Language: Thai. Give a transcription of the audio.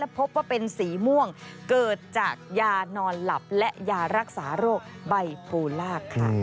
พบว่าเป็นสีม่วงเกิดจากยานอนหลับและยารักษาโรคไบโพลากค่ะ